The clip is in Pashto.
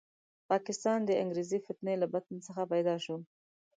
پاکستان د انګریزي فتنې له بطن څخه پیدا شو.